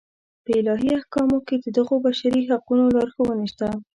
په الهي احکامو کې د دغو بشري حقونو لارښوونې شته.